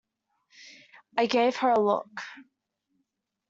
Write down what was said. I gave her a look.